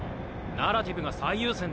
ナラティブが最優先だって。